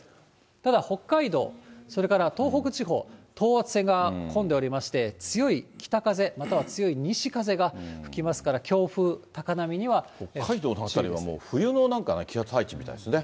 ただ北海道、それから東北地方、等圧線が混んでおりまして、強い北風、または強い西風が吹きますから、強風、高波には。北海道の辺りはもう、冬のなんか気圧配置みたいですね。